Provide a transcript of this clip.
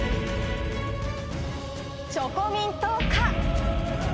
チョコミン党か？